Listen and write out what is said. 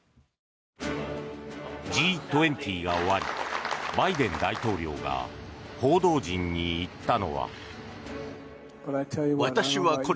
Ｇ２０が終わりバイデン大統領が報道陣に言ったのは。